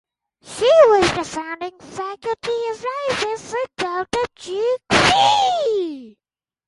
She was the founding faculty advisor for Delta Chi Xi.